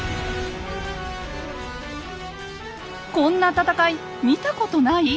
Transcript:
こんな戦い見たことない？